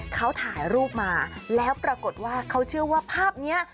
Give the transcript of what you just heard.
เขาถ่ายรูปมาแล้วปรากฏว่าเขาเชื่อว่าภาพนี้